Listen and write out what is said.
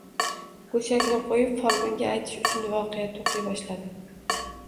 Go`shakni qo`yib, folbinga aytish uchun voqea to`qiy boshladim